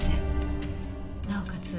なおかつ